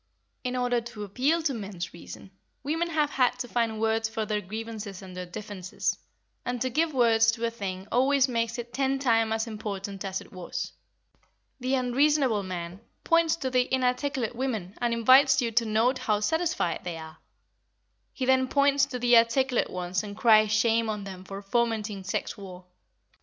In order to appeal to men's reason, women have had to find words for their grievances and their differences, and to give words to a thing always makes it ten times as important as it was. The unreasonable man points to the inarticulate women and invites you to note how satisfied they are; he then points to the articulate ones and cries shame on them for fomenting sex war.